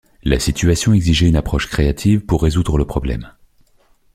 La situation exigeait une approche créative pour résoudre le problème.